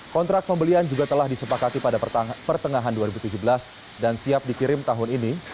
kontrak pembelian juga telah disepakati pada pertengahan dua ribu tujuh belas dan siap dikirim tahun ini